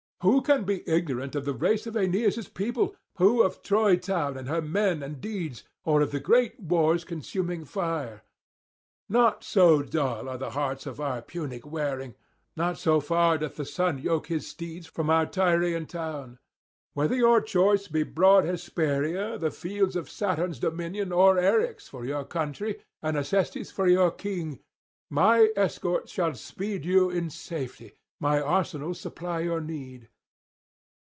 Who can be ignorant of the race of Aeneas' people, who of Troy town and her men and deeds, or of the great war's consuming fire? Not so dull are the hearts of our Punic wearing, not so far doth the sun yoke his steeds from our Tyrian town. Whether your choice be broad Hesperia, the fields of Saturn's dominion, or Eryx for your country and Acestes for your king, my escort shall speed you in safety, my arsenals supply your need.